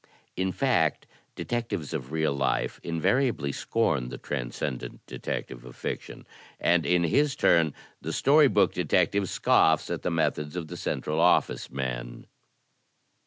In fact, detectives of real life invariably scorn the tran scendent detective of fiction, and, in his turn, the story book detective scoffs at the methods of the Central OflSce men.